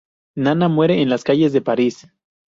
Naná muere en las calles de París.